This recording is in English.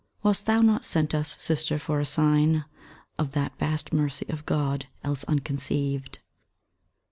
Wast thou not sent us, Sister, for a sign Of that vast Mercy of God, else unconceived?